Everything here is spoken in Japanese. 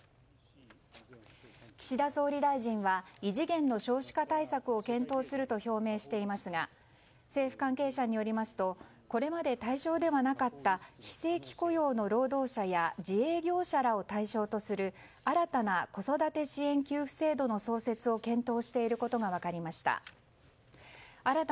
岸田総理大臣は異次元の少子化対策を検討すると表明していますが政府関係者によりますとこれまで対象ではなかった非正規雇用の労働者や自営業者らを対象とする新たな子育て支援給付制度の創設を検討していることが分かりました。